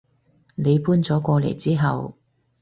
你搬咗過嚟之後